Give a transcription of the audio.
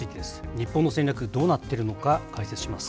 日本の戦略、どうなっているのか、解説します。